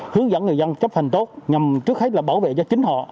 hướng dẫn người dân chấp hành tốt nhằm trước hết là bảo vệ cho chính họ